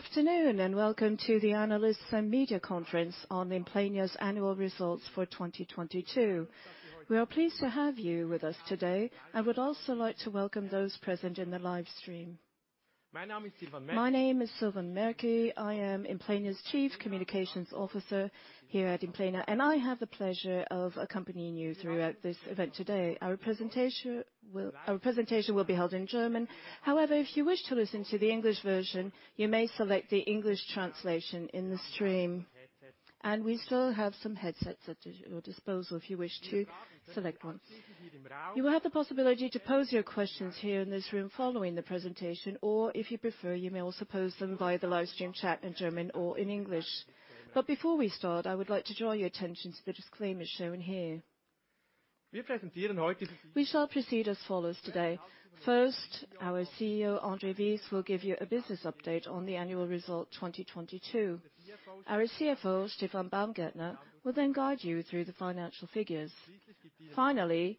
Good afternoon, and welcome to the Analysts and Media Conference on Implenia's annual results for 2022. We are pleased to have you with us today and would also like to welcome those present in the live stream. My name is Silvan Merki. I am Implenia's Chief Communications Officer here at Implenia, and I have the pleasure of accompanying you throughout this event today. Our presentation will be held in German. However, if you wish to listen to the English version, you may select the English translation in the stream. We still have some headsets at your disposal if you wish to select one. You will have the possibility to pose your questions here in this room following the presentation, or if you prefer, you may also pose them via the live stream chat in German or in English. Before we start, I would like to draw your attention to the disclaimer shown here. We shall proceed as follows today. First, our CEO, André Wyss, will give you a business update on the annual result 2022. Our CFO, Stefan Baumgärtner, will guide you through the financial figures. Finally,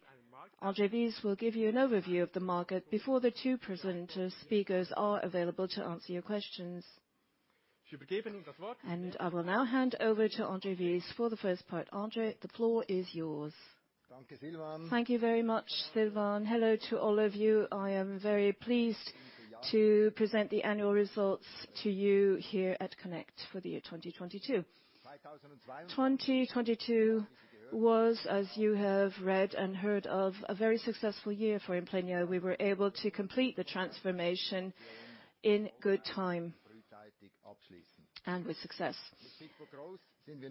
André Wyss will give you an overview of the market before the two presenter speakers are available to answer your questions. I will now hand over to André Wyss for the first part. André, the floor is yours. Thank you very much, Silvan. Hello to all of you. I am very pleased to present the annual results to you here at Connect for the year 2022. 2022 was, as you have read and heard of, a very successful year for Implenia. We were able to complete the transformation in good time and with success.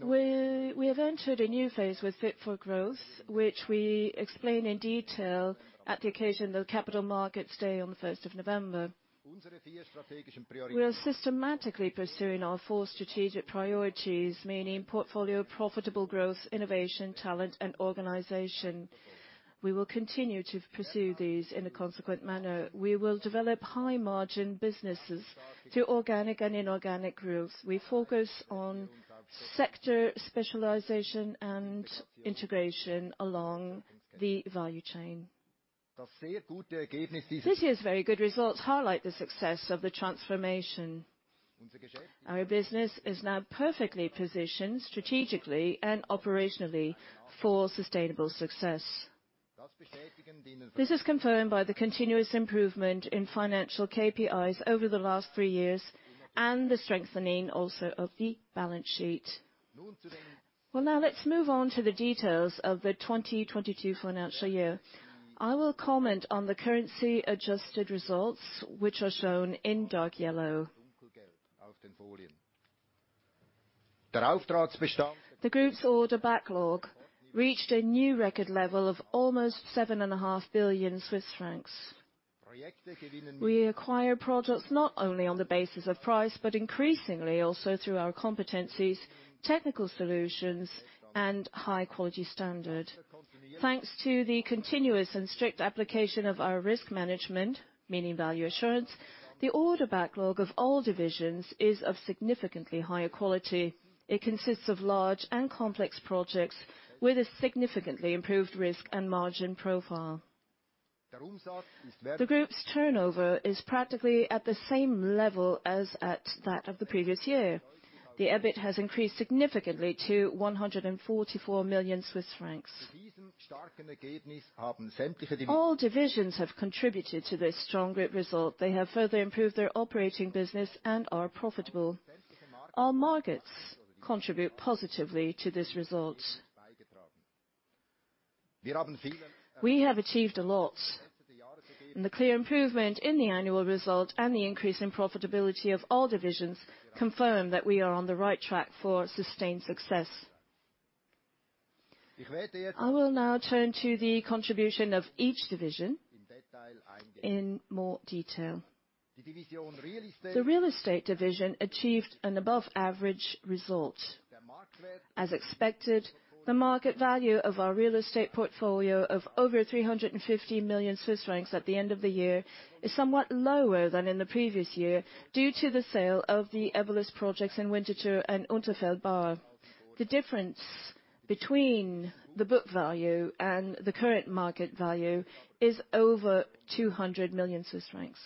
We have entered a new phase with Fit for Growth, which we explain in detail at the occasion of Capital Markets Day on the 1st of November. We are systematically pursuing our four strategic priorities, meaning portfolio, profitable growth, innovation, talent, and organization. We will continue to pursue these in a consequent manner. We will develop high-margin businesses through organic and inorganic growth. We focus on sector specialization and integration along the value chain. This year's very good results highlight the success of the transformation. Our business is now perfectly positioned strategically and operationally for sustainable success. This is confirmed by the continuous improvement in financial KPIs over the last three years and the strengthening also of the balance sheet. Well, now let's move on to the details of the 2022 financial year. I will comment on the currency-adjusted results, which are shown in dark yellow. The group's order backlog reached a new record level of almost 7.5 billion Swiss francs. We acquire projects not only on the basis of price, but increasingly also through our competencies, technical solutions, and high quality standard. Thanks to the continuous and strict application of our risk management, meaning Value Assurance, the order backlog of all divisions is of significantly higher quality. It consists of large and complex projects with a significantly improved risk and margin profile. The group's turnover is practically at the same level as at that of the previous year. The EBIT has increased significantly to 144 million Swiss francs. All divisions have contributed to this strong group result. They have further improved their operating business and are profitable. Our markets contribute positively to this result. We have achieved a lot, and the clear improvement in the annual result and the increase in profitability of all divisions confirm that we are on the right track for sustained success. I will now turn to the contribution of each division in more detail. The Real Estate division achieved an above-average result. As expected, the market value of our real estate portfolio of over 350 million Swiss francs at the end of the year is somewhat lower than in the previous year due to the sale of the Everlis projects in Winterthur and Unterfeldbach. The difference between the book value and the current market value is over 200 million Swiss francs.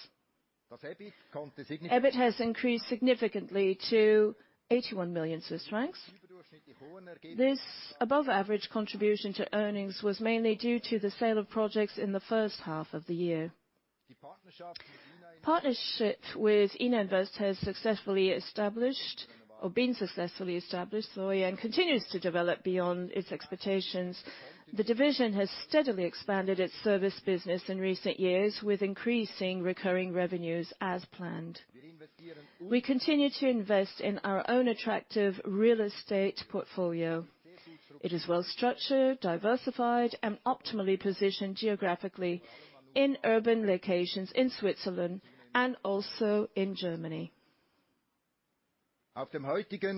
EBIT has increased significantly to 81 million Swiss francs. This above-average contribution to earnings was mainly due to the sale of projects in the first half of the year. Partnership with Ina Invest has been successfully established and continues to develop beyond its expectations. The division has steadily expanded its service business in recent years with increasing recurring revenues as planned. We continue to invest in our own attractive real estate portfolio. It is well-structured, diversified, and optimally positioned geographically in urban locations in Switzerland and also in Germany. The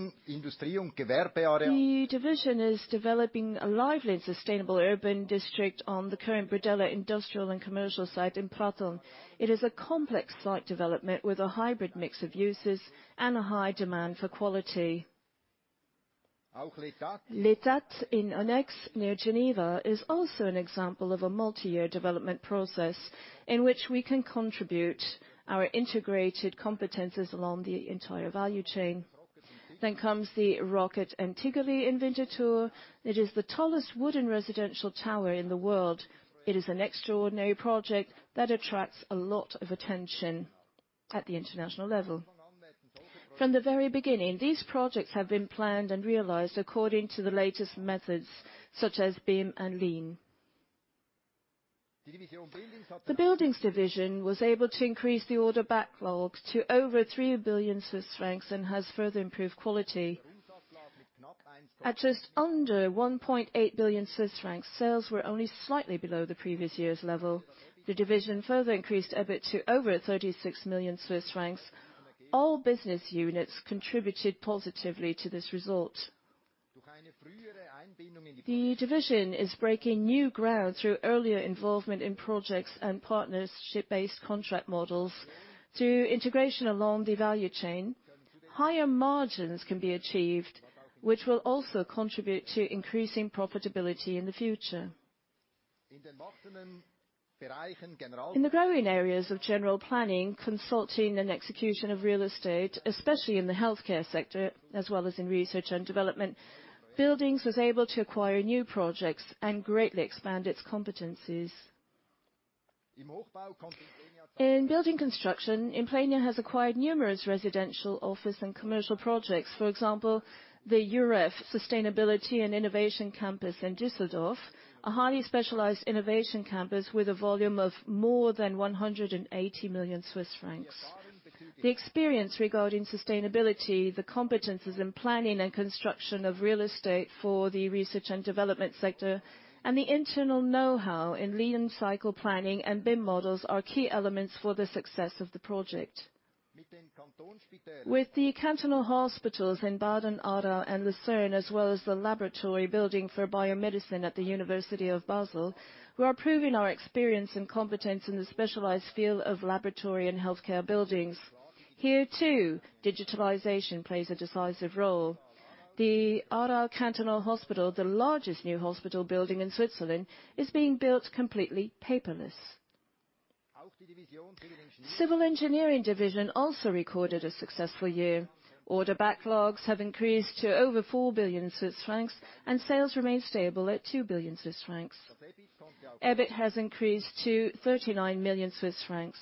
division is developing a lively and sustainable urban district on the current Bredella industrial and commercial site in Pratteln. It is a complex site development with a hybrid mix of uses and a high demand for quality. Quartier de l'Étang near Geneva is also an example of a multi-year development process in which we can contribute our integrated competences along the entire value chain. comes the Rocket & Tigerli in Winterthur. It is the tallest wooden residential tower in the world. It is an extraordinary project that attracts a lot of attention at the international level. From the very beginning, these projects have been planned and realized according to the latest methods, such as BIM and Lean. The buildings division was able to increase the order backlogs to over 3 billion Swiss francs and has further improved quality. At just under 1.8 billion Swiss francs, sales were only slightly below the previous year's level. The division further increased EBIT to over 36 million Swiss francs. All business units contributed positively to this result. The division is breaking new ground through earlier involvement in projects and partnership-based contract models. Through integration along the value chain, higher margins can be achieved, which will also contribute to increasing profitability in the future. In the growing areas of general planning, consulting, and execution of real estate, especially in the healthcare sector as well as in research and development, Buildings was able to acquire new projects and greatly expand its competencies. In building construction, Implenia has acquired numerous residential, office, and commercial projects. For example, the EUREF Sustainability and Innovation Campus in Düsseldorf, a highly specialized innovation campus with a volume of more than 180 million Swiss francs. The experience regarding sustainability, the competencies in planning and construction of real estate for the research and development sector, and the internal know-how in Lean Cycle Planning and BIM models are key elements for the success of the project. With the Cantonal hospitals in Baden, Aarau, and Lucerne, as well as the laboratory building for biomedicine at the University of Basel, we are proving our experience and competence in the specialized field of laboratory and healthcare buildings. Here, too, digitalization plays a decisive role. The Aarau Cantonal Hospital, the largest new hospital building in Switzerland, is being built completely paperless. Civil engineering division also recorded a successful year. Order backlogs have increased to over 4 billion Swiss francs, and sales remain stable at 2 billion Swiss francs. EBIT has increased to 39 million Swiss francs.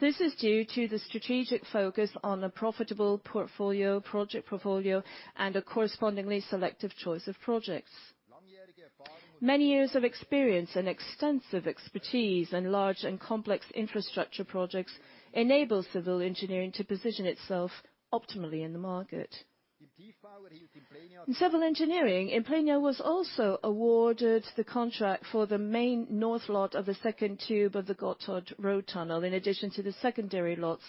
This is due to the strategic focus on a profitable portfolio, project portfolio, and a correspondingly selective choice of projects. Many years of experience and extensive expertise in large and complex infrastructure projects enable civil engineering to position itself optimally in the market. In civil engineering, Implenia was also awarded the contract for the main north lot of the second tube of the Gotthard Road Tunnel. In addition to the secondary lots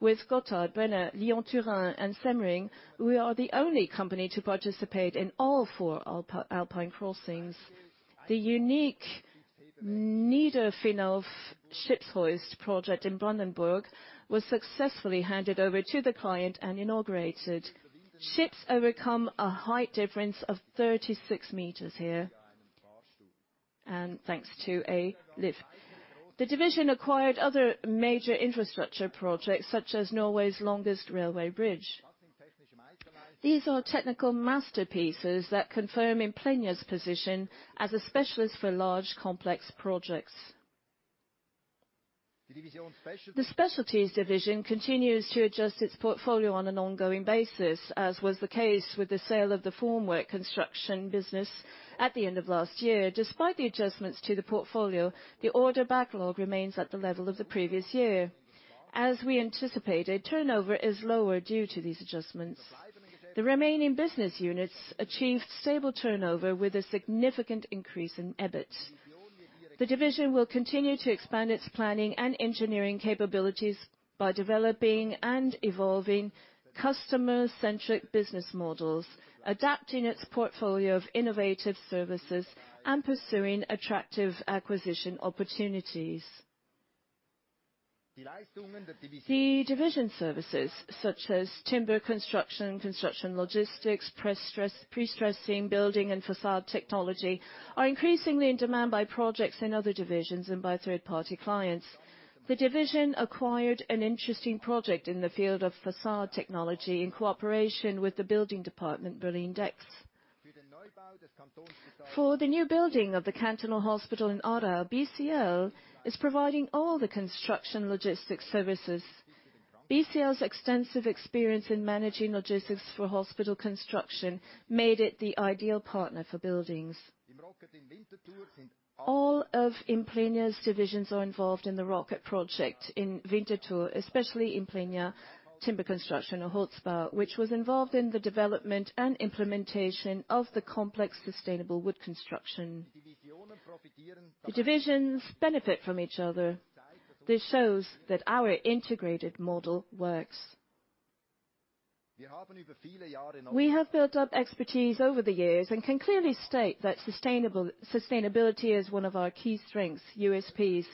with Gotthard, Brenner, Lyon-Turin, and Semmering, we are the only company to participate in all four Alp-Alpine crossings. The unique Niederfinow ship hoist project in Brandenburg was successfully handed over to the client and inaugurated. Ships overcome a height difference of 36 meters here, and thanks to a lift. The division acquired other major infrastructure projects, such as Norway's longest railway bridge. These are technical masterpieces that confirm Implenia's position as a specialist for large, complex projects. The specialties division continues to adjust its portfolio on an ongoing basis, as was the case with the sale of the formwork construction business at the end of last year. Despite the adjustments to the portfolio, the order backlog remains at the level of the previous year. As we anticipated, turnover is lower due to these adjustments. The remaining business units achieved stable turnover with a significant increase in EBIT. The division will continue to expand its planning and engineering capabilities by developing and evolving customer-centric business models, adapting its portfolio of innovative services, and pursuing attractive acquisition opportunities. The division services, such as timber construction logistics, pre-stressing, building, and facade technology, are increasingly in demand by projects in other divisions and by third-party clients. The division acquired an interesting project in the field of facade technology in cooperation with the building department, Berlin Dex. For the new building of the Cantonal Hospital in Aarau, BCL is providing all the construction logistics services. BCL's extensive experience in managing logistics for hospital construction made it the ideal partner for buildings. All of Implenia's divisions are involved in the Rocket project in Winterthur, especially Implenia Timber Construction or Holzbau, which was involved in the development and implementation of the complex sustainable wood construction. The divisions benefit from each other. This shows that our integrated model works. We have built up expertise over the years and can clearly state that sustainability is one of our key strengths, USPs.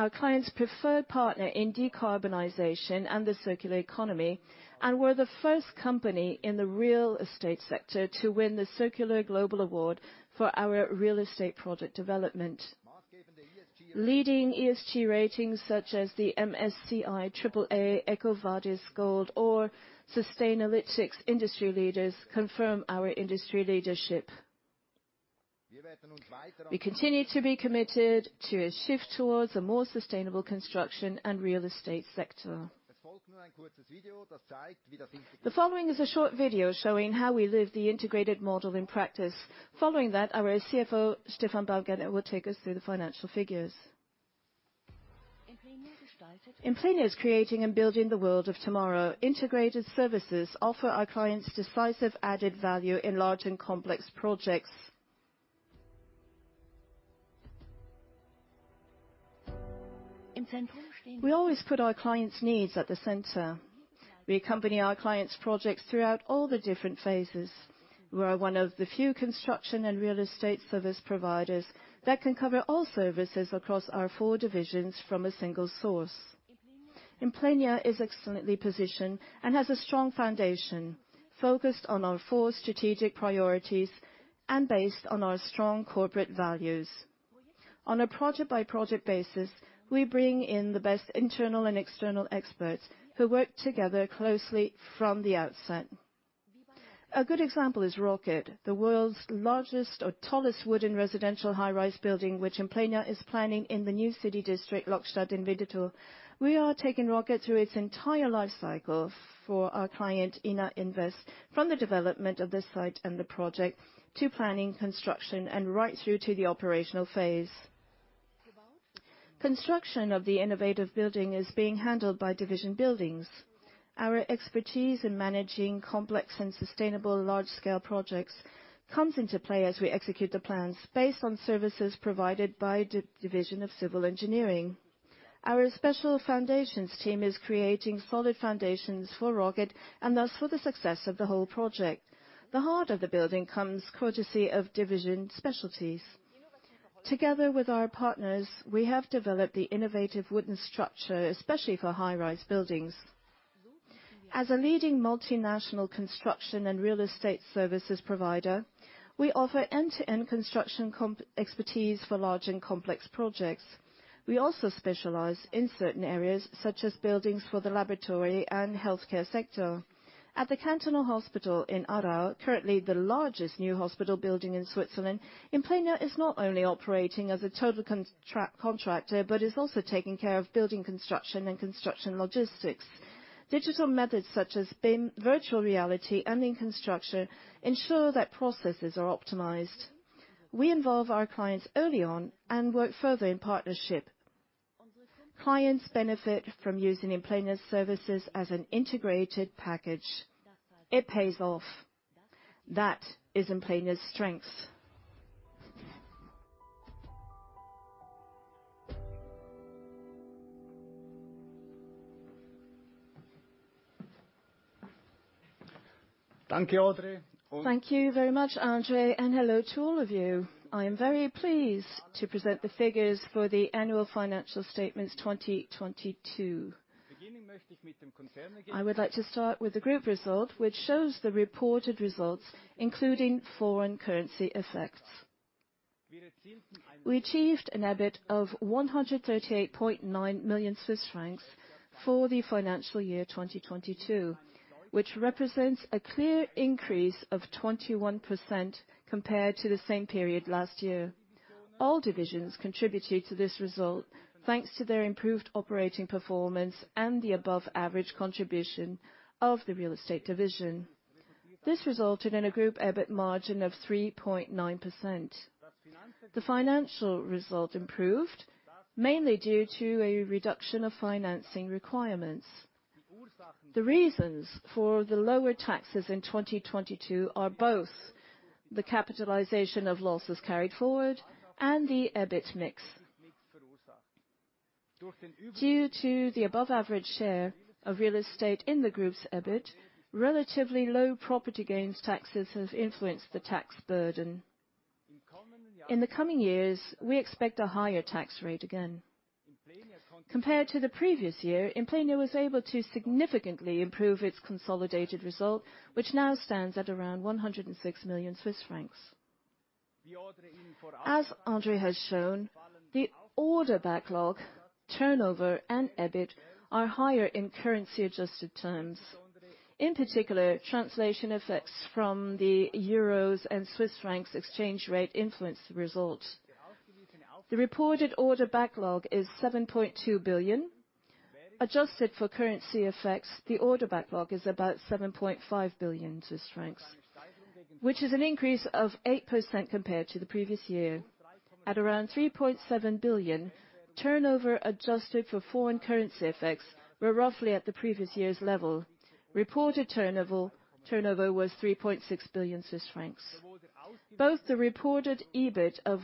Our client's preferred partner in decarbonization and the circular economy, and we're the first company in the real estate sector to win the Circular Globe Award for our real estate product development. Leading ESG ratings such as the MSCI AAA, EcoVadis Gold or Sustainalytics industry leaders confirm our industry leadership. We continue to be committed to a shift towards a more sustainable construction and real estate sector. The following is a short video showing how we live the integrated model in practice. Following that, our CFO, Stefan Baumgärtner, will take us through the financial figures. Implenia is creating and building the world of tomorrow. Integrated services offer our clients decisive added value in large and complex projects. We always put our clients' needs at the center. We accompany our clients' projects throughout all the different phases. We are one of the few construction and real estate service providers that can cover all services across our four divisions from a single source. Implenia is excellently positioned and has a strong foundation focused on our four strategic priorities and based on our strong corporate values. On a project-by-project basis, we bring in the best internal and external experts, who work together closely from the outset. A good example is Rocket, the world's largest or tallest wooden residential high-rise building, which Implenia is planning in the new city district, Lokstadt in Winterthur. We are taking Rocket through its entire life cycle for our client, Ina Invest, from the development of this site and the project to planning, construction, and right through to the operational phase. Construction of the innovative building is being handled by division buildings. Our expertise in managing complex and sustainable large-scale projects comes into play as we execute the plans based on services provided by the division of civil engineering. Our special foundations team is creating solid foundations for Rocket and, thus, for the success of the whole project. The heart of the building comes courtesy of division specialties. Together with our partners, we have developed the innovative wooden structure, especially for high-rise buildings. As a leading multinational construction and real estate services provider, we offer end-to-end construction expertise for large and complex projects. We also specialize in certain areas, such as buildings for the laboratory and healthcare sector. At the Cantonal Hospital in Aarau, currently the largest new hospital building in Switzerland, Implenia is not only operating as a total contractor, but is also taking care of building construction and construction logistics. Digital methods such as BIM, virtual reality, and in construction ensure that processes are optimized. We involve our clients early on and work further in partnership. Clients benefit from using Implenia's services as an integrated package. It pays off. That is Implenia's strength. Thank you very much, André, and hello to all of you. I am very pleased to present the figures for the annual financial statements 2022. I would like to start with the group result, which shows the reported results, including foreign currency effects. We achieved an EBIT of 138.9 million Swiss francs for the financial year 2022, which represents a clear increase of 21% compared to the same period last year. All divisions contributed to this result, thanks to their improved operating performance and the above average contribution of the real estate division. This resulted in a group EBIT margin of 3.9%. The financial result improved, mainly due to a reduction of financing requirements. The reasons for the lower taxes in 2022 are both the capitalization of losses carried forward and the EBIT mix. Due to the above average share of real estate in the group's EBIT, relatively low property gains taxes have influenced the tax burden. In the coming years, we expect a higher tax rate again. Compared to the previous year, Implenia was able to significantly improve its consolidated result, which now stands at around 106 million Swiss francs. As André has shown, the order backlog, turnover, and EBIT are higher in currency-adjusted terms. In particular, translation effects from the euros and Swiss francs exchange rate influenced the result. The reported order backlog is 7.2 billion. Adjusted for currency effects, the order backlog is about 7.5 billion francs, which is an increase of 8% compared to the previous year. At around 3.7 billion, turnover adjusted for foreign currency effects were roughly at the previous year's level. Reported turnover was 3.6 billion Swiss francs. Both the reported EBIT of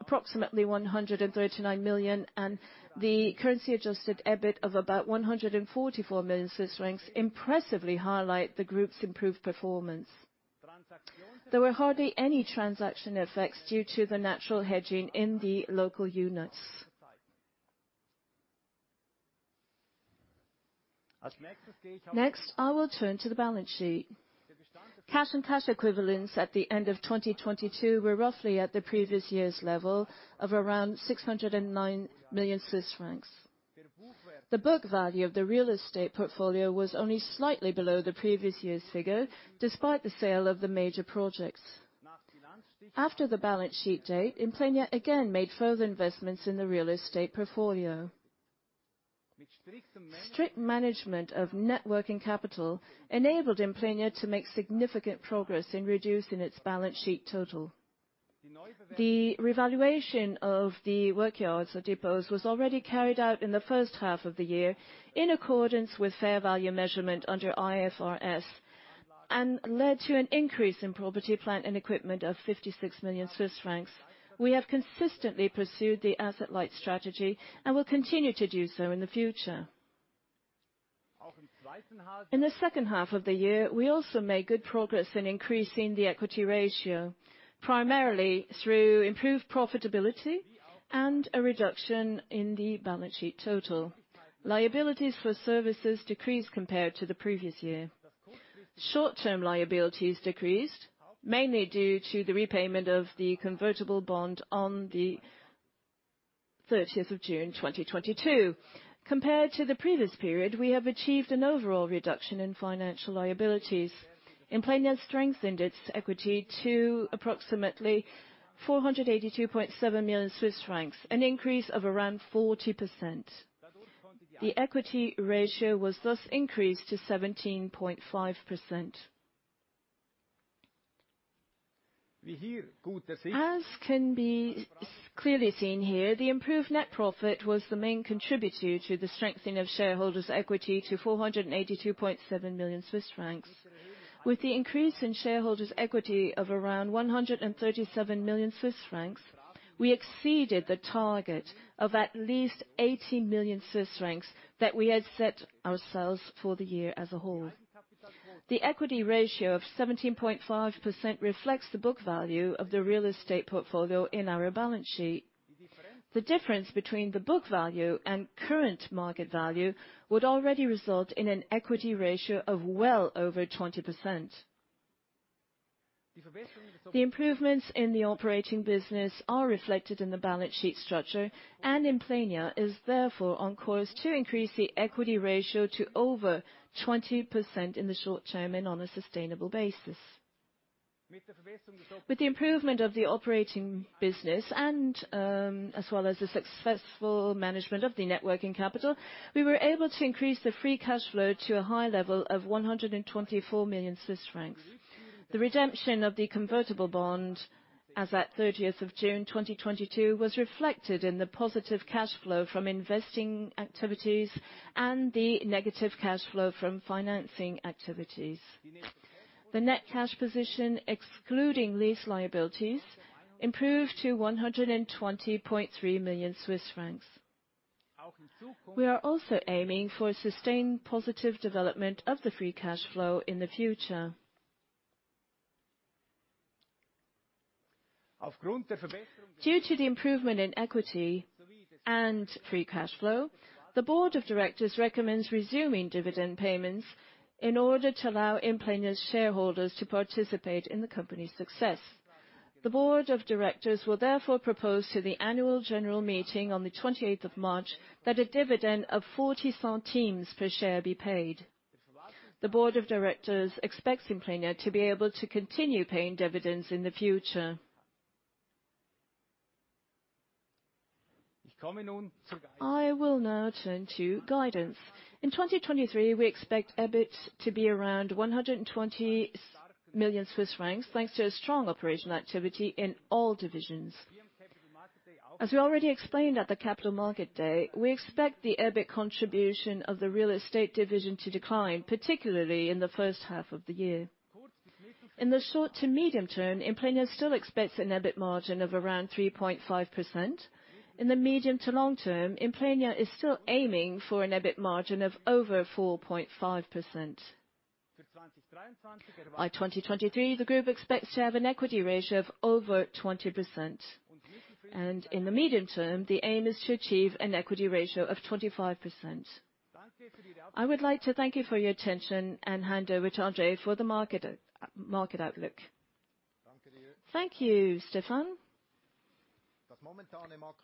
approximately 139 million and the currency-adjusted EBIT of about 144 million Swiss francs impressively highlight the group's improved performance. There were hardly any transaction effects due to the natural hedging in the local units. Next, I will turn to the balance sheet. Cash and cash equivalents at the end of 2022 were roughly at the previous year's level of around 609 million Swiss francs. The book value of the real estate portfolio was only slightly below the previous year's figure, despite the sale of the major projects. After the balance sheet date, Implenia again made further investments in the real estate portfolio. Strict management of net working capital enabled Implenia to make significant progress in reducing its balance sheet total. The revaluation of the work yards or depots was already carried out in the first half of the year in accordance with fair value measurement under IFRS, and led to an increase in property plant and equipment of 56 million Swiss francs. We have consistently pursued the asset light strategy and will continue to do so in the future. In the second half of the year, we also made good progress in increasing the equity ratio, primarily through improved profitability and a reduction in the balance sheet total. Liabilities for services decreased compared to the previous year. Short-term liabilities decreased, mainly due to the repayment of the convertible bond on June 30, 2022. Compared to the previous period, we have achieved an overall reduction in financial liabilities. Implenia strengthened its equity to approximately 482.7 million Swiss francs, an increase of around 40%. The equity ratio was thus increased to 17.5%. As can be clearly seen here, the improved net profit was the main contributor to the strengthening of shareholders' equity to 482.7 million Swiss francs. With the increase in shareholders' equity of around 137 million Swiss francs, we exceeded the target of at least 80 million Swiss francs that we had set ourselves for the year as a whole. The equity ratio of 17.5% reflects the book value of the real estate portfolio in our balance sheet. The difference between the book value and current market value would already result in an equity ratio of well over 20%. The improvements in the operating business are reflected in the balance sheet structure, Implenia is therefore on course to increase the equity ratio to over 20% in the short term and on a sustainable basis. With the improvement of the operating business as well as the successful management of the net working capital, we were able to increase the free cash flow to a high level of 124 million Swiss francs. The redemption of the convertible bond as at 30th of June 2022 was reflected in the positive cash flow from investing activities and the negative cash flow from financing activities. The net cash position, excluding lease liabilities, improved to 120.3 million Swiss francs. We are also aiming for a sustained positive development of the free cash flow in the future. Due to the improvement in equity and free cash flow, the board of directors recommends resuming dividend payments in order to allow Implenia shareholders to participate in the company's success. The board of directors will therefore propose to the annual general meeting on the 28th of March that a dividend of 0.40 per share be paid. The board of directors expects Implenia to be able to continue paying dividends in the future. I will now turn to guidance. In 2023, we expect EBIT to be around 120 million Swiss francs, thanks to a strong operational activity in all divisions. As we already explained at the Capital Market Day, we expect the EBIT contribution of the real estate division to decline, particularly in the first half of the year. In the short to medium term, Implenia still expects an EBIT margin of around 3.5%. In the medium to long term, Implenia is still aiming for an EBIT margin of over 4.5%. By 2023, the group expects to have an equity ratio of over 20%. In the medium term, the aim is to achieve an equity ratio of 25%. I would like to thank you for your attention and hand over to André for the market outlook. Thank you, Stefan.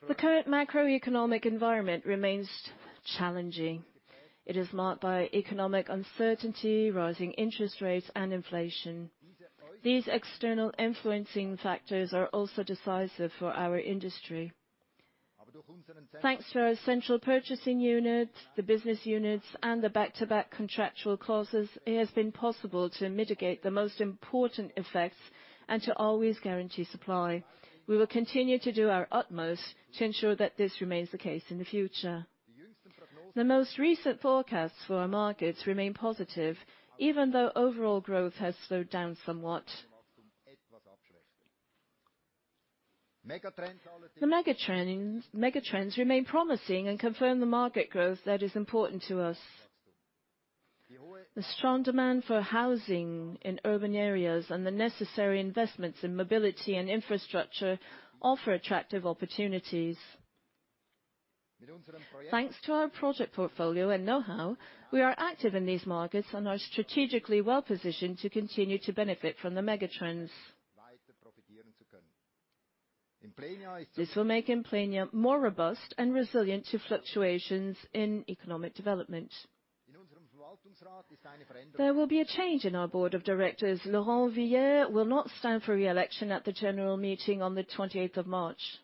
The current macroeconomic environment remains challenging. It is marked by economic uncertainty, rising interest rates, and inflation. These external influencing factors are also decisive for our industry. Thanks to our central purchasing units, the business units, and the back-to-back contractual clauses, it has been possible to mitigate the most important effects and to always guarantee supply. We will continue to do our utmost to ensure that this remains the case in the future. The most recent forecasts for our markets remain positive, even though overall growth has slowed down somewhat. The mega trends remain promising and confirm the market growth that is important to us. The strong demand for housing in urban areas and the necessary investments in mobility and infrastructure offer attractive opportunities. Thanks to our project portfolio and know-how, we are active in these markets and are strategically well positioned to continue to benefit from the mega trends. This will make Implenia more robust and resilient to fluctuations in economic development. There will be a change in our board of directors. Laurent Vulliet will not stand for re-election at the general meeting on the 28th of March.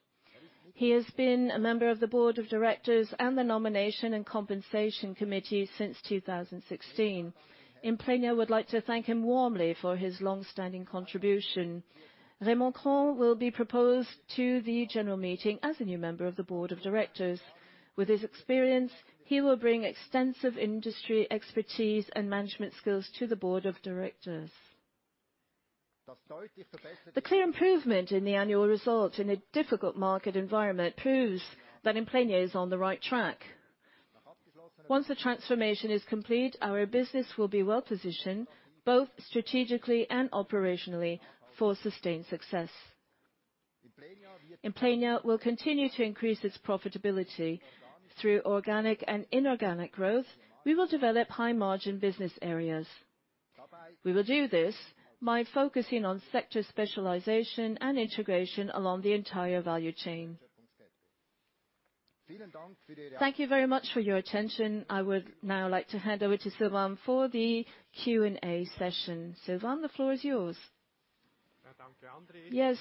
He has been a member of the board of directors and the nomination and compensation committee since 2016. Implenia would like to thank him warmly for his long-standing contribution. Raymond Cron will be proposed to the general meeting as a new member of the board of directors. With his experience, he will bring extensive industry expertise and management skills to the board of directors. The clear improvement in the annual result in a difficult market environment proves that Implenia is on the right track. Once the transformation is complete, our business will be well positioned both strategically and operationally for sustained success. Implenia will continue to increase its profitability. Through organic and inorganic growth, we will develop high margin business areas. We will do this by focusing on sector specialization and integration along the entire value chain. Thank you very much for your attention. I would now like to hand over to Silvan for the Q&A session. Silvan, the floor is yours.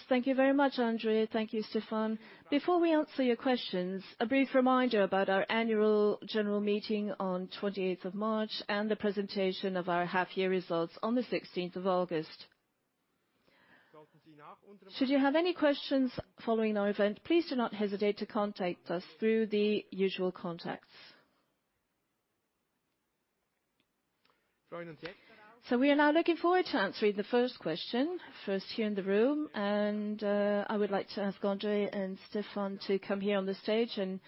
Thank you very much, André. Thank you, Stefan. Before we answer your questions, a brief reminder about our annual general meeting on 28th of March and the presentation of our half year results on the 16th of August. Should you have any questions following our event, please do not hesitate to contact us through the usual contacts. We are now looking forward to answering the first question, first here in the room, and I would like to ask André and Stefan to come here on the stage and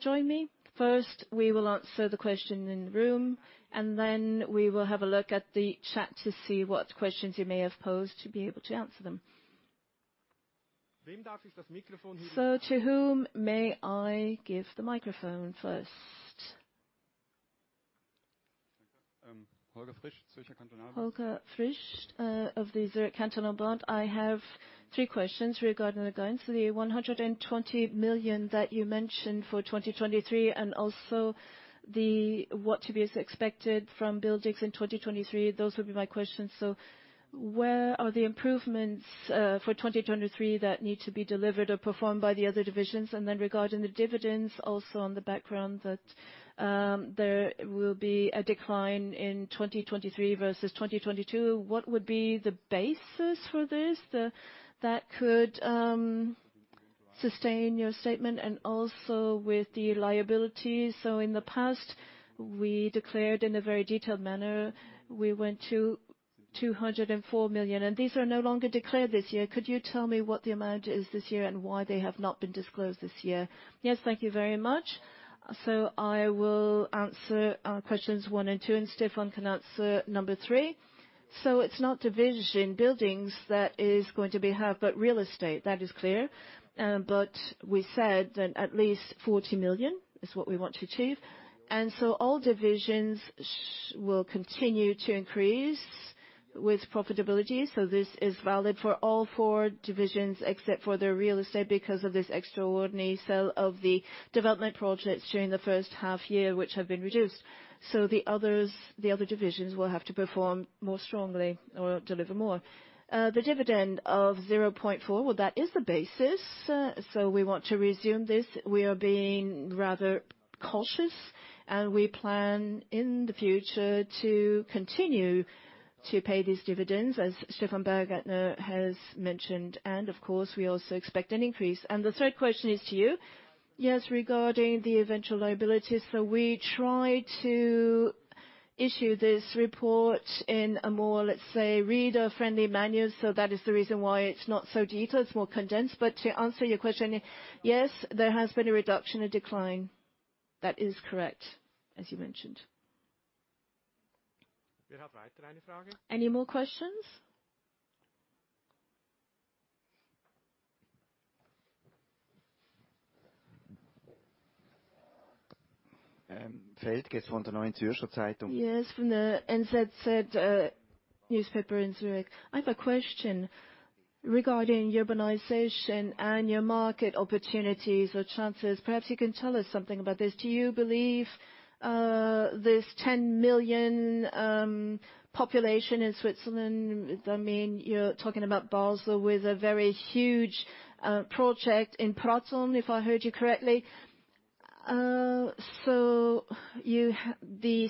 join me. First, we will answer the question in the room, and then we will have a look at the chat to see what questions you may have posed to be able to answer them. To whom may I give the microphone first? Holger Fritsch of the Zürcher Kantonalbank. I have three questions regarding the guidance: the 120 million that you mentioned for 2023 and also what to be expected from Buildings in 2023. Those would be my questions. Where are the improvements for 2023 that need to be delivered or performed by the other divisions? Then regarding the dividends, also on the background that there will be a decline in 2023 versus 2022. What would be the basis for this that could sustain your statement? Also with the liabilities. In the past, we declared in a very detailed manner, we went to 204 million, and these are no longer declared this year. Could you tell me what the amount is this year and why they have not been disclosed this year? Yes. Thank you very much. I will answer questions one and two, and Stefan can answer number three. It's not division Buildings that is going to be half, but Real Estate. That is clear. We said that at least 40 million is what we want to achieve. All divisions will continue to increase with profitability. This is valid for all four divisions except for the Real Estate because of this extraordinary sale of the development projects during the first half year, which have been reduced. The other divisions will have to perform more strongly or deliver more. The dividend of 0.4, well, that is the basis. We want to resume this. We are being rather cautious, and we plan in the future to continue to pay these dividends, as Stefan Baumgärtner has mentioned. Of course, we also expect an increase. The third question is to you. Yes, regarding the eventual liabilities. We try to issue this report in a more, let's say, reader-friendly manner. That is the reason why it's not so detailed, it's more condensed. To answer your question, yes, there has been a reduction, a decline. That is correct, as you mentioned. Any more questions? Christoph Felger from the Neue Zürcher Zeitung. Yes, from the NZZ newspaper in Zurich. I have a question regarding urbanization and your market opportunities or chances. Perhaps you can tell us something about this. Do you believe this 10 million population in Switzerland? I mean, you're talking about Basel with a very huge project in Pratteln, if I heard you correctly. The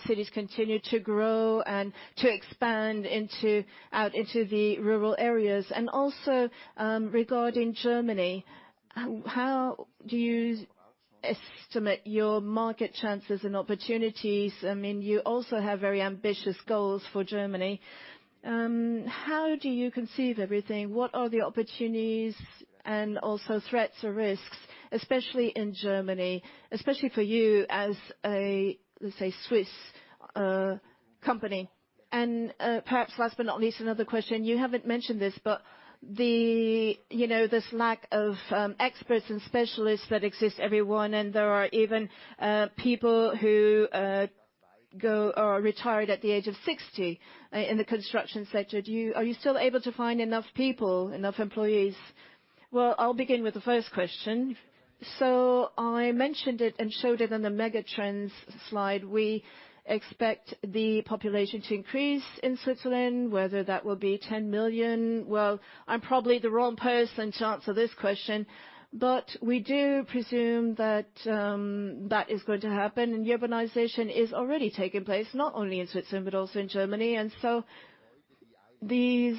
cities continue to grow and to expand into, out into the rural areas. Also, regarding Germany, how do you estimate your market chances and opportunities. I mean, you also have very ambitious goals for Germany. How do you conceive everything? What are the opportunities and also threats or risks, especially in Germany, especially for you as a, let's say, Swiss company? Perhaps last but not least, another question. You haven't mentioned this, the, you know, this lack of experts and specialists that exist everyone, there are even people who go or retire at the age of 60 in the construction sector. Are you still able to find enough people, enough employees? I'll begin with the first question. I mentioned it and showed it on the megatrends slide. We expect the population to increase in Switzerland, whether that will be 10 million. I'm probably the wrong person to answer this question, but we do presume that that is going to happen. Urbanization is already taking place, not only in Switzerland but also in Germany. These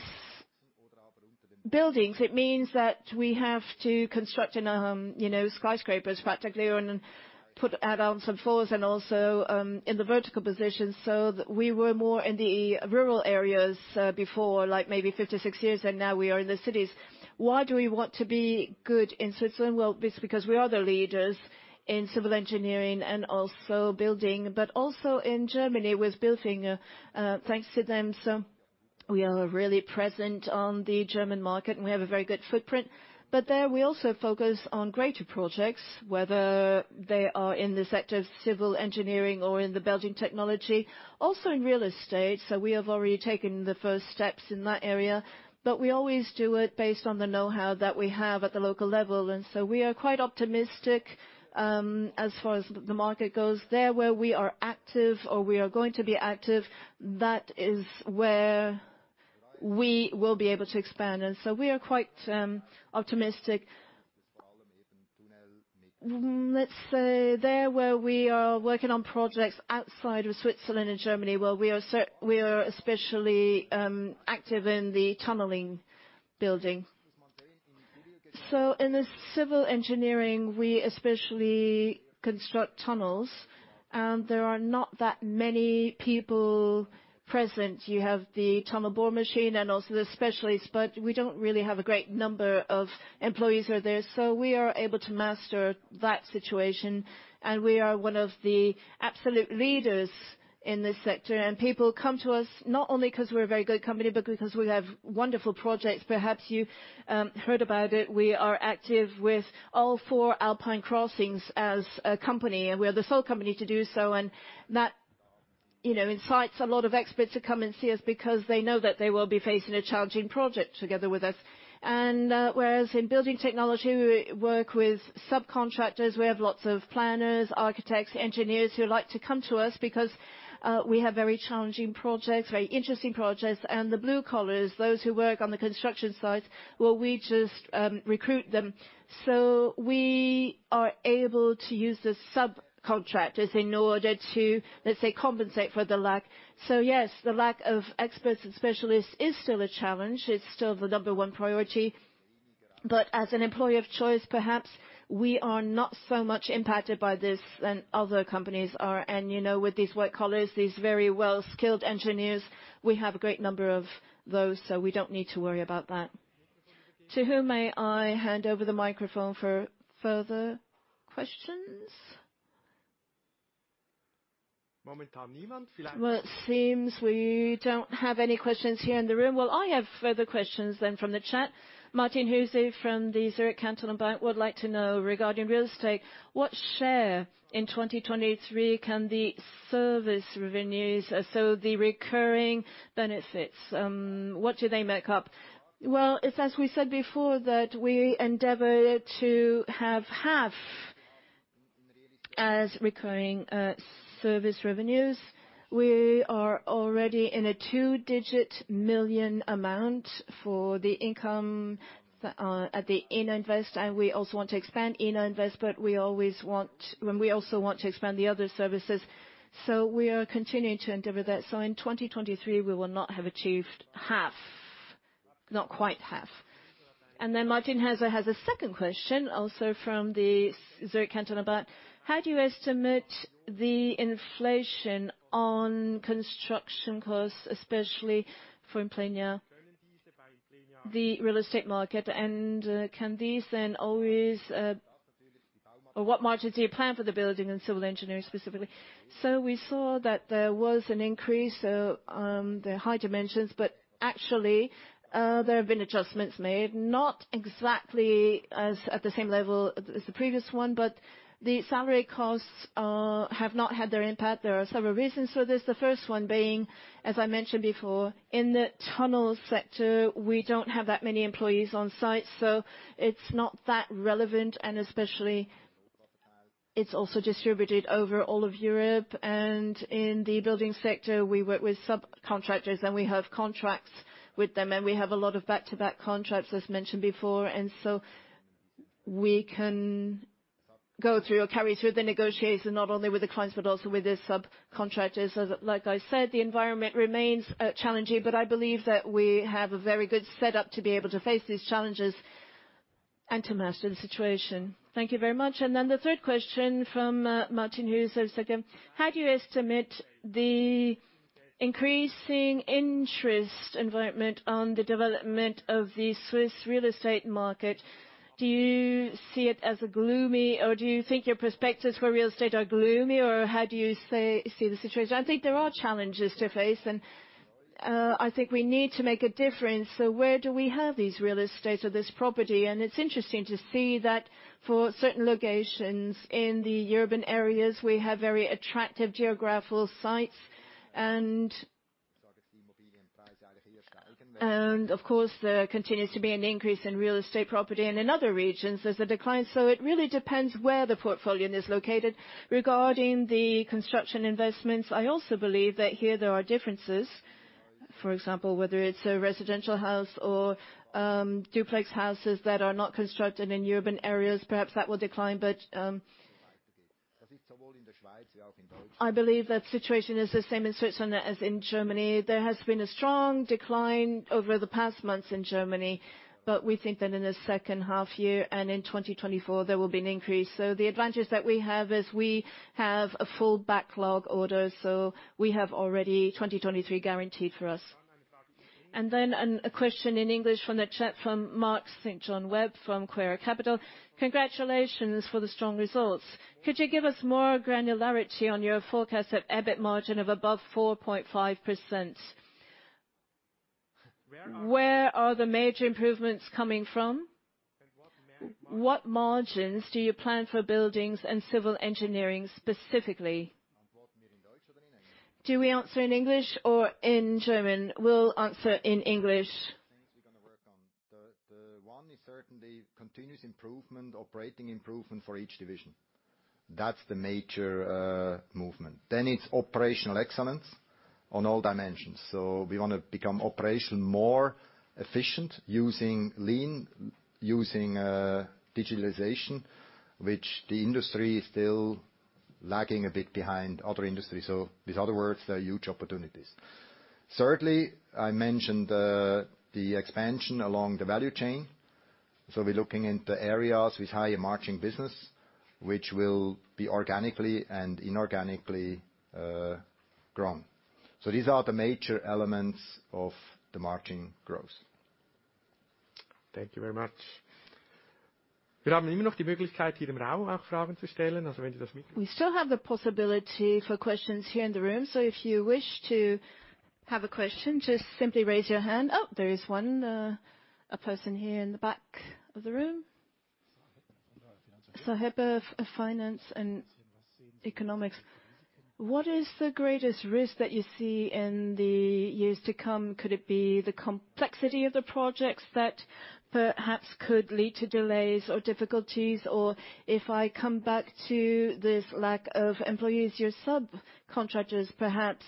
buildings, it means that we have to construct, you know, skyscrapers practically and add on some floors and also in the vertical position. We were more in the rural areas before, like maybe 50, 60 years ago, and now we are in the cities. Why do we want to be good in Switzerland? It's because we are the leaders in civil engineering and also building. Also in Germany, with Building thanks to them, we are really present on the German market, we have a very good footprint. There we also focus on greater projects, whether they are in the sector of civil engineering or in the building technology, also in real estate. We have already taken the first steps in that area, but we always do it based on the know-how that we have at the local level. We are quite optimistic as far as the market goes there, where we are active or we are going to be active, that is where we will be able to expand. We are quite optimistic. Let's say there where we are working on projects outside of Switzerland and Germany, where we are especially active in the tunneling building. In the civil engineering, we especially construct tunnels, and there are not that many people present. You have the tunnel bore machine and also the specialists, but we don't really have a great number of employees who are there. We are able to master that situation, and we are one of the absolute leaders in this sector. People come to us not only 'cause we're a very good company, but because we have wonderful projects. Perhaps you heard about it. We are active with all 4 Alpine crossings as a company, and we are the sole company to do so. That, you know, incites a lot of experts to come and see us because they know that they will be facing a challenging project together with us. Whereas in building technology, we work with subcontractors. We have lots of planners, architects, engineers who like to come to us because we have very challenging projects, very interesting projects. The blue collars, those who work on the construction site, well, we just recruit them. We are able to use the subcontractors in order to, let's say, compensate for the lack. Yes, the lack of experts and specialists is still a challenge. It's still the number one priority. As an employer of choice, perhaps we are not so much impacted by this than other companies are. You know, with these white collars, these very well-skilled engineers, we have a great number of those, so we don't need to worry about that. To whom may I hand over the microphone for further questions? Well, it seems we don't have any questions here in the room. I have further questions then from the chat. Martin Hüsler from the Zürcher Kantonalbank would like to know regarding real estate, what share in 2023 can the service revenues, so the recurring benefits, what do they make up? It's as we said before, that we endeavor to have half as recurring service revenues. We are already in a 2-digit million amount for the income at the Ina Invest, and we also want to expand Ina Invest, and we also want to expand the other services. We are continuing to endeavor that. In 2023, we will not have achieved half, not quite half. Martin Hüsler has a second question also from the Zürcher Kantonalbank. How do you estimate the inflation on construction costs, especially for Implenia, the real estate market? Can these then always, or what margins do you plan for the building and civil engineering specifically? We saw that there was an increase, so, the high dimensions, but actually, there have been adjustments made, not exactly as at the same level as the previous one, but the salary costs have not had their impact. There are several reasons for this. The first one being, as I mentioned before, in the tunnel sector, we don't have that many employees on site, so it's not that relevant. Especially, it's also distributed over all of Europe. In the building sector, we work with subcontractors, and we have contracts with them, and we have a lot of back-to-back contracts, as mentioned before. So we can go through or carry through the negotiation not only with the clients but also with the subcontractors. Like I said, the environment remains challenging, but I believe that we have a very good setup to be able to face these challenges. To master the situation. Thank you very much. The third question from Martin Hüsler of Zürcher Kantonalbank. How do you estimate the increasing interest environment on the development of the Swiss real estate market? Do you see it as gloomy, or do you think your perspectives for real estate are gloomy, or how do you see the situation? I think there are challenges to face, and I think we need to make a difference. Where do we have these real estates or this property? It's interesting to see that for certain locations in the urban areas, we have very attractive geographical sites. Of course, there continues to be an increase in real estate property, and in other regions, there's a decline. It really depends where the portfolio is located. Regarding the construction investments, I also believe that here there are differences. For example, whether it's a residential house or duplex houses that are not constructed in urban areas, perhaps that will decline. I believe that situation is the same in Switzerland as in Germany. There has been a strong decline over the past months in Germany, but we think that in the second half year and in 2024, there will be an increase. The advantage that we have is we have a full backlog order, so we have already 2023 guaranteed for us. A question in English from the chat from Marc St. John Webb from Quaero Capital. Congratulations for the strong results. Could you give us more granularity on your forecast at EBIT margin of above 4.5%? Where are the major improvements coming from? What margins do you plan for buildings and civil engineering specifically? Do we answer in English or in German? We'll answer in English. Things we're gonna work on. The one is certainly continuous improvement, operating improvement for each division. That's the major movement. It's operational excellence on all dimensions. We wanna become operational more efficient using Lean, using digitalization, which the industry is still lagging a bit behind other industries. With other words, there are huge opportunities. Thirdly, I mentioned the expansion along the value chain. We're looking into areas with higher margin business, which will be organically and inorganically grown. These are the major elements of the margin growth. Thank you very much. We still have the possibility for questions here in the room, so if you wish to have a question, just simply raise your hand. Oh, there is one, a person here in the back of the room. Sohrab of Finanz und Wirtschaft. What is the greatest risk that you see in the years to come? Could it be the complexity of the projects that perhaps could lead to delays or difficulties? If I come back to this lack of employees, your subcontractors perhaps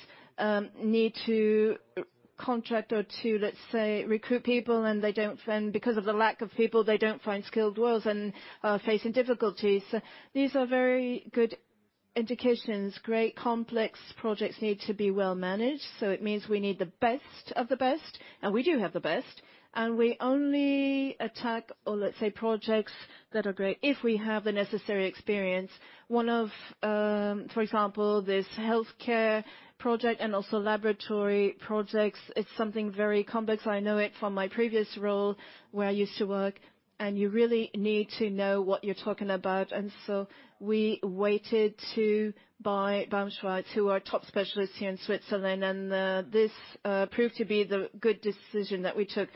need to contract or to, let's say, recruit people, because of the lack of people, they don't find skilled workers and are facing difficulties. These are very good indications. Great, complex projects need to be well managed, so it means we need the best of the best, and we do have the best. We only attack, or let's say, projects that are great if we have the necessary experience. One of, for example, this healthcare project and also laboratory projects, it's something very complex. I know it from my previous role where I used to work, and you really need to know what you're talking about. We waited to buy Baumschwarz, who are top specialists here in Switzerland, and this proved to be the good decision that we took.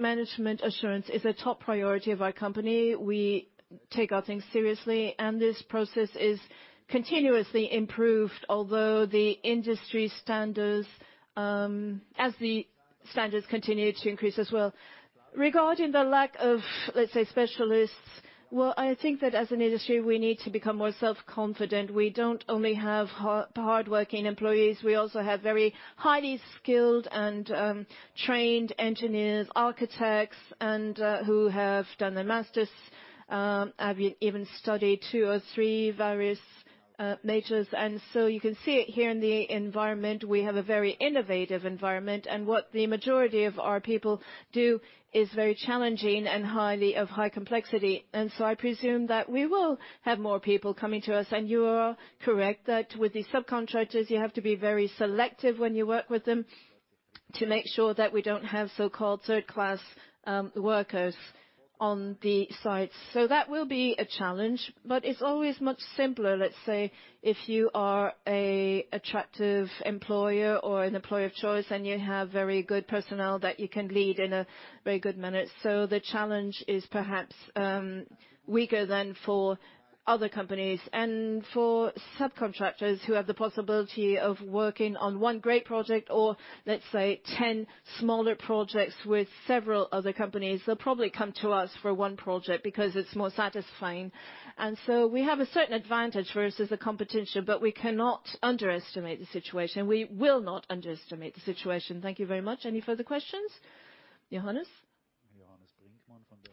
Management assurance is a top priority of our company. We take our things seriously, and this process is continuously improved, although the industry standards, as the standards continue to increase as well. Regarding the lack of, let's say, specialists, well, I think that as an industry, we need to become more self-confident. We don't only have hardworking employees, we also have very highly skilled and trained engineers, architects, and who have done their master's, have even studied two or three various majors. You can see it here in the environment. We have a very innovative environment, and what the majority of our people do is very challenging and highly, of high complexity. I presume that we will have more people coming to us. You are correct that with the subcontractors, you have to be very selective when you work with them to make sure that we don't have so-called third-class workers on the site. That will be a challenge, but it's always much simpler, let's say, if you are a attractive employer or an employer of choice and you have very good personnel that you can lead in a very good manner. The challenge is perhaps weaker than for other companies. For subcontractors who have the possibility of working on one great project or let's say 10 smaller projects with several other companies, they'll probably come to us for one project because it's more satisfying. We have a certain advantage versus the competition, but we cannot underestimate the situation. We will not underestimate the situation. Thank you very much. Any further questions? Johannes? Johannes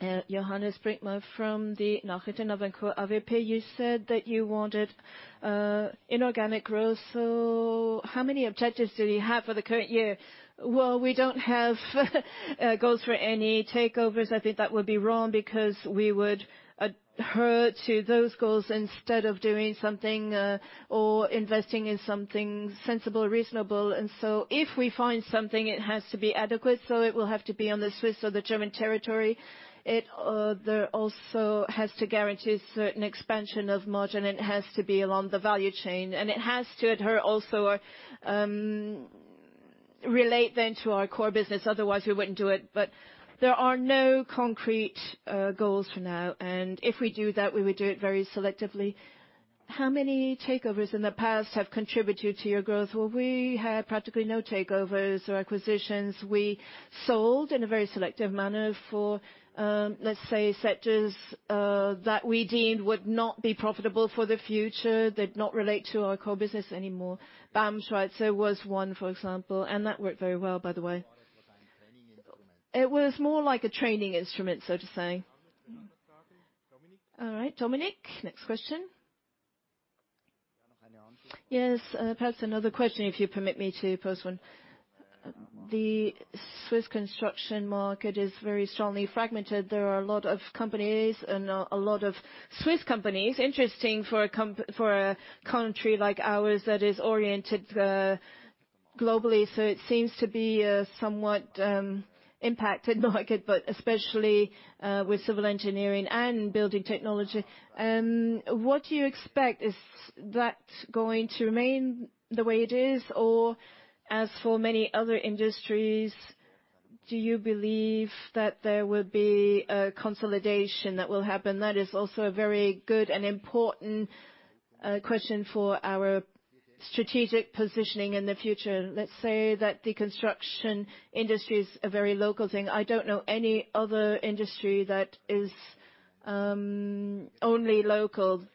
Brinkmann from the Nachrichtenagentur AWP. You said that you wanted inorganic growth. How many objectives do you have for the current year? Well, we don't have goals for any takeovers. I think that would be wrong because we would adhere to those goals instead of doing something or investing in something sensible, reasonable. If we find something, it has to be adequate. It will have to be on the Swiss or the German territory. It, there also has to guarantee certain expansion of margin, and it has to be along the value chain, and it has to adhere also, relate then to our core business. Otherwise, we wouldn't do it. There are no concrete goals for now, and if we do that, we would do it very selectively. How many takeovers in the past have contributed to your growth? Well, we had practically no takeovers or acquisitions. We sold in a very selective manner for, let's say, sectors, that we deemed would not be profitable for the future. They'd not relate to our core business anymore. BAM Schweiz was one, for example. That worked very well, by the way. It was more like a training instrument, so to say. All right, Dominic, next question. Yes, perhaps another question, if you permit me to pose one. The Swiss construction market is very strongly fragmented. There are a lot of companies and a lot of Swiss companies. Interesting for a country like ours that is oriented globally. It seems to be a somewhat impacted market, but especially with civil engineering and building technology. What do you expect? Is that going to remain the way it is, or as for many other industries, do you believe that there will be a consolidation that will happen? That is also a very good and important question for our strategic positioning in the future. Let's say that the construction industry is a very local thing. I don't know any other industry that is only local.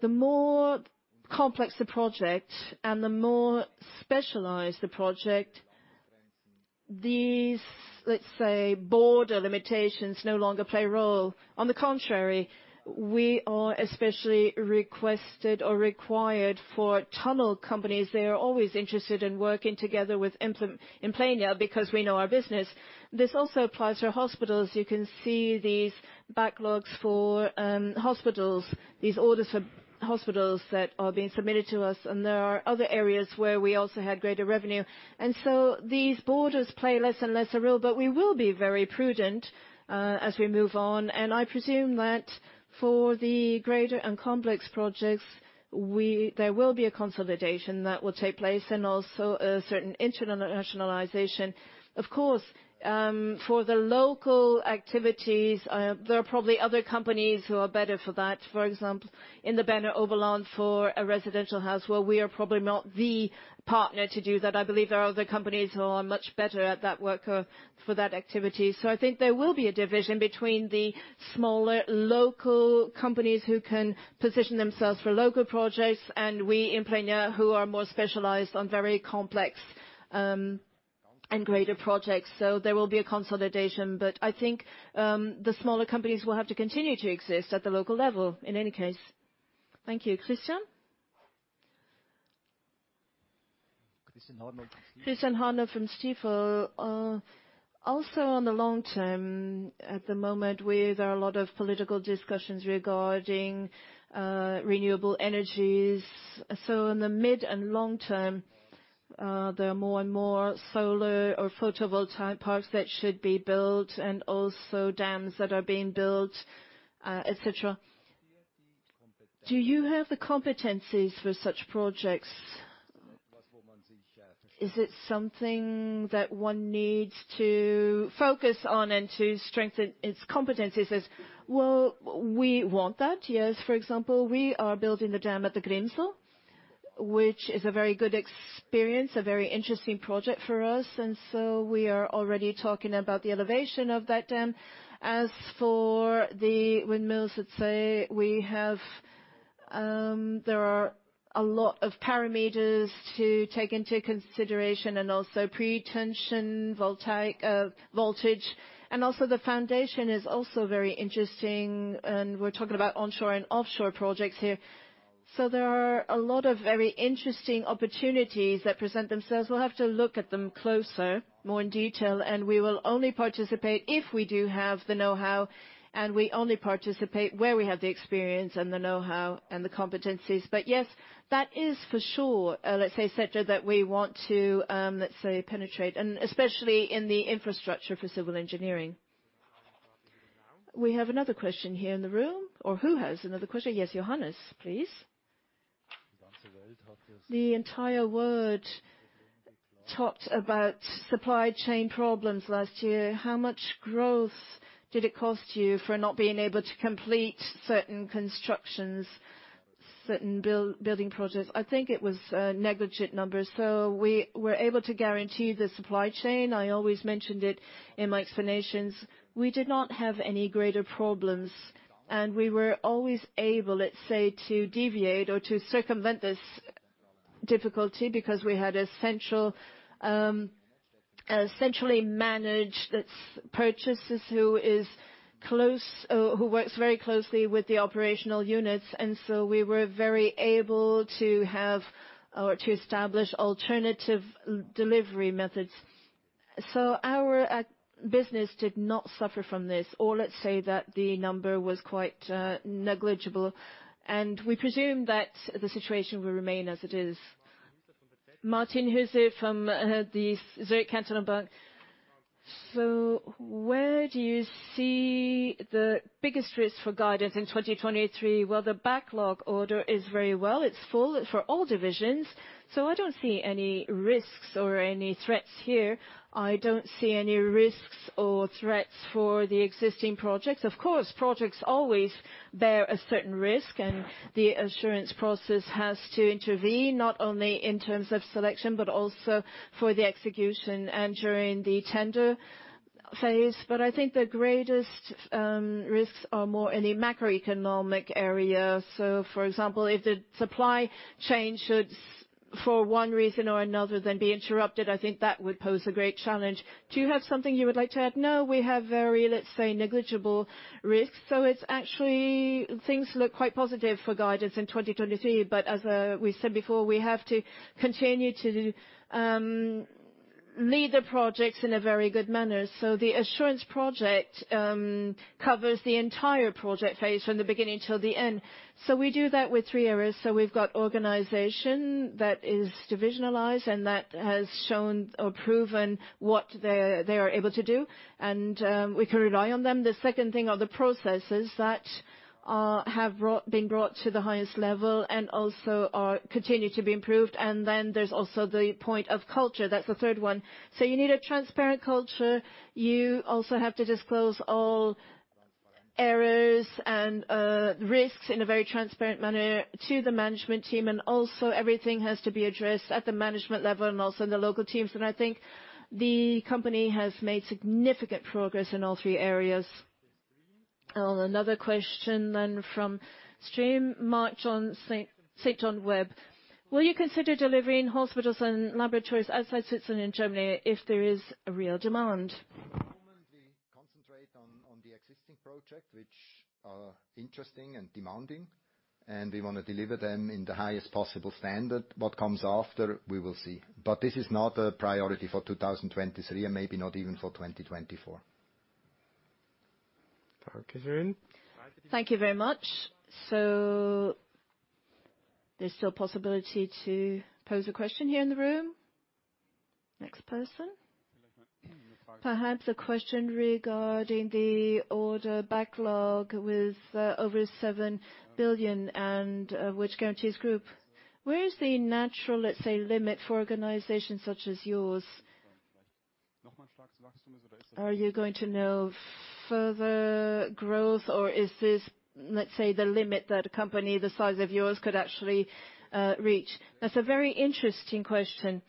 The more complex the project and the more specialized the project, these, let's say, border limitations no longer play a role. On the contrary, we are especially requested or required for tunnel companies. They are always interested in working together with Implenia because we know our business. This also applies for hospitals. You can see these backlogs for hospitals, these orders for hospitals that are being submitted to us. There are other areas where we also had greater revenue. These borders play less and less a role. We will be very prudent as we move on. I presume that for the greater and complex projects, there will be a consolidation that will take place and also a certain internationalization. Of course, for the local activities, there are probably other companies who are better for that. For example, in the Berner Oberland for a residential house, where we are probably not the partner to do that. I believe there are other companies who are much better at that work for that activity. I think there will be a division between the smaller local companies who can position themselves for local projects and we, Implenia, who are more specialized on very complex and greater projects. There will be a consolidation, but I think the smaller companies will have to continue to exist at the local level in any case. Thank you. Christian? Christian Hinder from Stifel. Also on the long term, at the moment, where there are a lot of political discussions regarding renewable energies. In the mid and long term, there are more and more solar or photovoltaic parks that should be built and also dams that are being built, et cetera. Do you have the competencies for such projects? Is it something that one needs to focus on and to strengthen its competencies? We want that, yes. For example, we are building the dam at the Grimsel, which is a very good experience, a very interesting project for us. We are already talking about the elevation of that dam. As for the windmills, let's say we have, there are a lot of parameters to take into consideration and also Prestress voltaic voltage. The foundation is also very interesting. We're talking about onshore and offshore projects here. There are a lot of very interesting opportunities that present themselves. We'll have to look at them closer, more in detail, and we will only participate if we do have the know-how. We only participate where we have the experience and the know-how and the competencies. Yes, that is for sure, let's say, sector that we want to, let's say, penetrate, especially in the infrastructure for civil engineering. We have another question here in the room. Who has another question? Yes, Johannes, please. The entire world talked about supply chain problems last year. How much growth did it cost you for not being able to complete certain constructions, certain building projects? I think it was negligent numbers. We were able to guarantee the supply chain. I always mentioned it in my explanations. We did not have any greater problems, we were always able, let's say, to deviate or to circumvent this difficulty because we had essential, essentially manage the purchases who works very closely with the operational units. We were very able to have or to establish alternative delivery methods. Our business did not suffer from this, or let's say that the number was quite negligible. We presume that the situation will remain as it is. Martin Hüsler from the Zürcher Kantonalbank. Where do you see the biggest risk for guidance in 2023? Well, the backlog order is very well. It's full for all divisions. I don't see any risks or any threats here. I don't see any risks or threats for the existing projects. Of course, projects always bear a certain risk, and the assurance process has to intervene, not only in terms of selection, but also for the execution and during the tender phase. I think the greatest risks are more in the macroeconomic area. For example, if the supply chain should, for one reason or another, then be interrupted, I think that would pose a great challenge. Do you have something you would like to add? No, we have very, let's say, negligible risks. It's actually... Things look quite positive for guidance in 2023, but as we said before, we have to continue to lead the projects in a very good manner. The assurance project covers the entire project phase from the beginning till the end. We do that with 3 areas. We've got organization that is divisionalized and that has shown or proven what they are able to do, and we can rely on them. The second thing are the processes that been brought to the highest level and also continue to be improved. There's also the point of culture. That's the third one. You need a transparent culture. You also have to disclose all errors and risks in a very transparent manner to the management team, and also everything has to be addressed at the management level and also in the local teams. I think the company has made significant progress in all three areas. Another question from stream, Mark St. John Webb. Will you consider delivering hospitals and laboratories outside Switzerland and Germany if there is a real demand? At the moment, we concentrate on the existing project, which are interesting and demanding, and we wanna deliver them in the highest possible standard. What comes after, we will see. This is not a priority for 2023 and maybe not even for 2024. Thank you very much. There's still possibility to pose a question here in the room. Next person. Perhaps a question regarding the order backlog with over 7 billion and which guarantees group. Where is the natural, let's say, limit for organizations such as yours? Are you going to know further growth, or is this, let's say, the limit that a company the size of yours could actually reach? That's a very interesting question.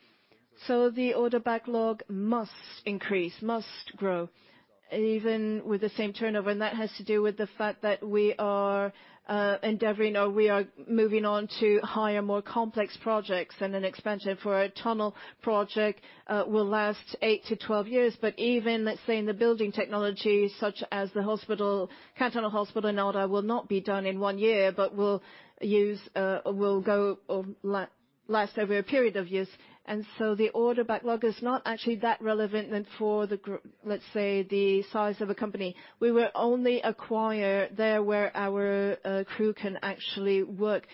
The order backlog must increase, must grow, even with the same turnover, and that has to do with the fact that we are endeavoring or we are moving on to higher, more complex projects. An expansion for a tunnel project will last 8-12 years. Even, let's say, in the building technology such as the hospital, Cantonal Hospital an order will not be done in 1 year, but will use, will go or last over a period of years. The order backlog is not actually that relevant than for the let's say, the size of a company. We will only acquire there where our crew can actually work.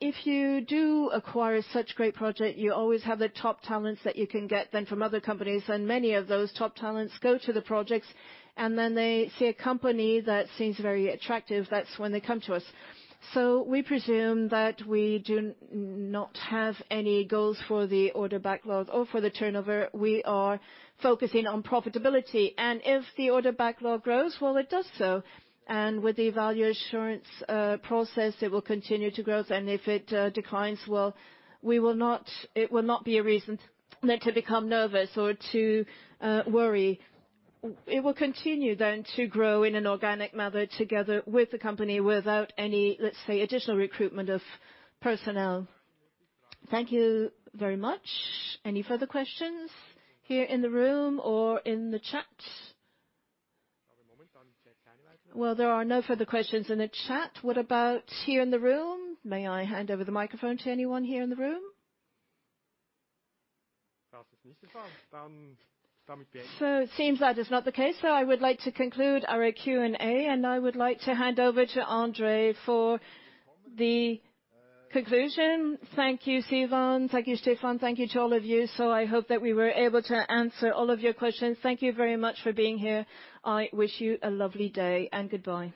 If you do acquire such great project, you always have the top talents that you can get then from other companies, and many of those top talents go to the projects, and then they see a company that seems very attractive. That's when they come to us. We presume that we do not have any goals for the order backlogs or for the turnover. We are focusing on profitability. If the order backlog grows, well, it does so. With the Value Assurance process, it will continue to grow. If it declines, it will not be a reason then to become nervous or to worry. It will continue then to grow in an organic manner together with the company without any, let's say, additional recruitment of personnel. Thank you very much. Any further questions here in the room or in the chat? There are no further questions in the chat. What about here in the room? May I hand over the microphone to anyone here in the room? It seems that is not the case. I would like to conclude our Q&A, and I would like to hand over to André for the conclusion. Thank you, Silvan. Thank you, Stefan. Thank you to all of you. I hope that we were able to answer all of your questions. Thank you very much for being here. I wish you a lovely day, and goodbye.